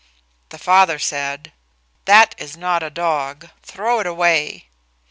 The father said, "That is not a dog; throw it away!"